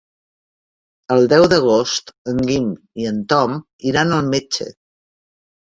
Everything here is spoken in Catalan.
El deu d'agost en Guim i en Tom iran al metge.